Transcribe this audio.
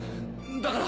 だから。